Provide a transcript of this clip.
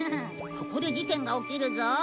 ここで事件が起きるぞ。